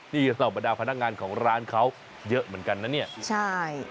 นี่เหล่าบรรดาพนักงานของร้านเขาเยอะเหมือนกันนะเนี่ยใช่